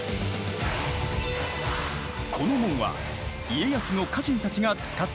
この門は家康の家臣たちが使っていた。